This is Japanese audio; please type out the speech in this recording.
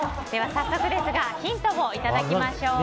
早速ですがヒントをいただきましょう。